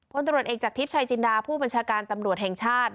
ตำรวจเอกจากทิพย์ชายจินดาผู้บัญชาการตำรวจแห่งชาติ